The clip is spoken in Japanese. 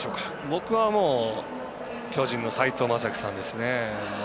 僕は、もう巨人の斎藤雅樹さんですね。